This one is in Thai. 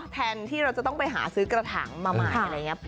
แทนที่เราจะต้องไปหาซื้อกระถังมาใหม่อะไรอย่างนี้